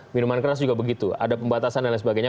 minuman keras juga begitu ada pembatasan dan lain sebagainya